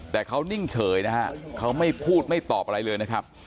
แต่เขานิ่งเฉยนะฮะเขาไม่พูดไม่ตอบอะไรเลยนะครับ